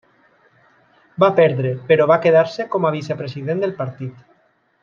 Va perdre però va quedar-se com a vicepresident del partit.